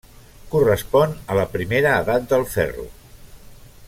Correspon a la primera Edat del Ferro.